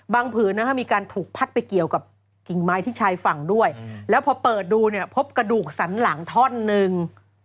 ผืนนะคะมีการถูกพัดไปเกี่ยวกับกิ่งไม้ที่ชายฝั่งด้วยแล้วพอเปิดดูเนี่ยพบกระดูกสันหลังท่อนหนึ่ง